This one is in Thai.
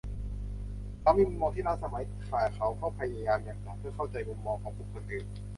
เขามีมุมมองที่ล้าสมัยแต่เขาก็พยายามอย่างหนักเพื่อเข้าใจมุมมองของบุคคลอื่น